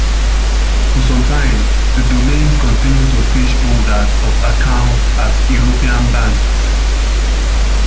For some time the domains continued to phish holders of accounts at European banks.